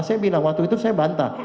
karena saya bilang waktu itu saya bantah